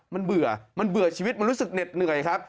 มันเบื่อมันเบื่อชีวิตมันรู้สึกเหน็ดเหนื่อยครับ